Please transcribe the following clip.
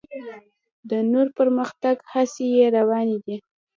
د نور پرمختګ هڅې یې روانې دي.